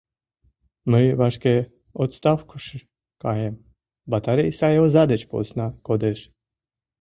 Мый вашке отставкыш каем, батарей сай оза деч посна кодеш.